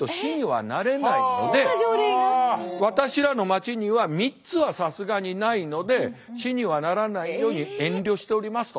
私らの町には３つはさすがにないので市にはならないように遠慮しておりますと。